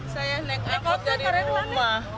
saya naik angkok dari rumah